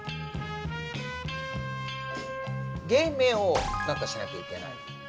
芸名を何かしなきゃいけない。